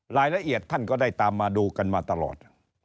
รายละเอียดท่านก็ได้ตามมาดูกันมาตลอด